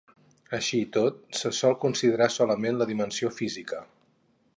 Així i tot, se sol considerar solament la dimensió física.